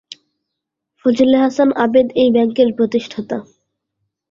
ফজলে হাসান আবেদ এই ব্যাংকের প্রতিষ্ঠাতা।